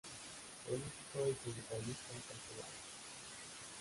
Político y sindicalista castellano.